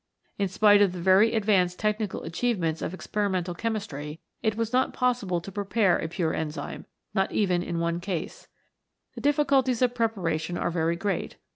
In spite of the very advanced technical achievements of experimental chemistry, it was not possible to prepare a pure enzyme, not even in one case. The difficulties of preparation are very great.